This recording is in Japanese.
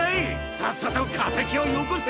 さっさとかせきをよこせ！